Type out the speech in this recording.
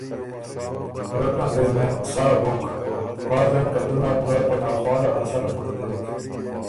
رټ نر دې مېن ساه بُک، فا ځانکدن نره له په ناخواله ا سر خُړتېک